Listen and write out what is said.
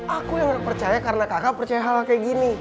aku yang gak percaya karena kakak percaya hal hal kayak gini